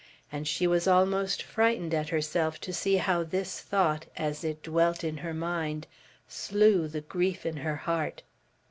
And she was almost frightened at herself to see how this thought, as it dwelt in her mind, slew the grief in her heart.